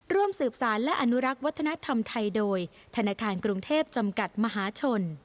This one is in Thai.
ร่วมสืบสารและอนุรักษ์วัฒนธรรมไทยโดยธนาคารกรุงเทพจำกัดมหาชน